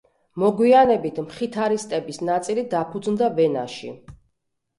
მოგვიანებით მხითარისტების ნაწილი დაფუძნდა ვენაში.